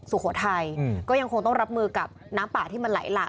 สุโขทัยก็ยังคงต้องรับมือกับน้ำป่าที่มันไหลหลาก